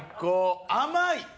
甘い！